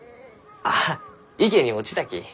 ああ池に落ちたき。